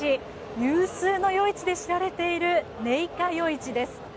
有数の夜市で知られている寧夏夜市です。